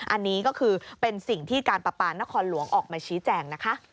อันนี้ก็คือเป็นสิ่งที่การประปานครหลวงออกมาชี้แจงนะคะ